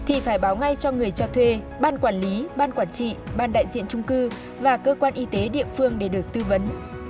thì phải báo ngay cho người cho thuê ban quản lý ban quản trị ban đại diện trung cư và cơ quan y tế địa phương để được tư vấn